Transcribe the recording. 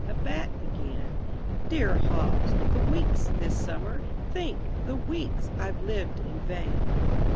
a bat again: Dear Hobbs! the weeks this summer think! the weeks I've lived in vain!